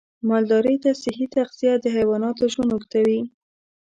مالدارۍ ته صحي تغذیه د حیواناتو ژوند اوږدوي.